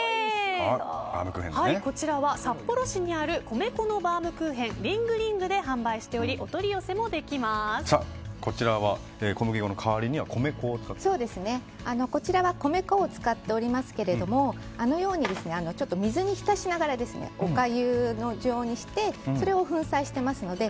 こちらは札幌市にある米粉のバウムクーヘンリングリングで販売しておりこちらは小麦粉の代わりにこちらは米粉を使っておりますけれどもあのように水に浸しながらおかゆ状にしてそれを粉砕していますので